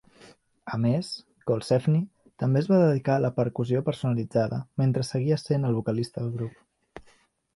A més, Colsefni també es va dedicar a la percussió personalitzada mentre seguia sent el vocalista del grup.